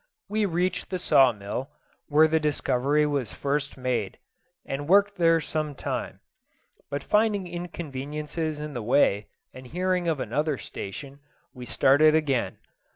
We reached the saw mill, where the discovery was first made, and worked there some time; but finding inconveniences in the way, and hearing of another station, we started again.